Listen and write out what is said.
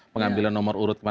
pengambilan nomor urut